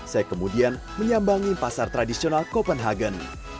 saya kemudian menyambangi pasar tradisional copenhagen